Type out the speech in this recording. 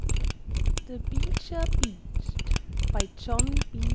THE BEECHER BEACHED BY JOHN B.